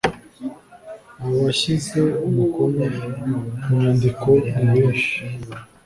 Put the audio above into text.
abashyize umukono kunyandiko nibeshi.